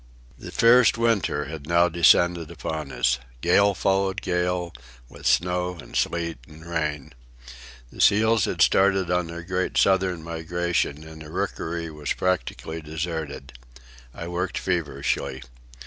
The fierce winter had now descended upon us. Gale followed gale, with snow and sleet and rain. The seals had started on their great southern migration, and the rookery was practically deserted. I worked feverishly.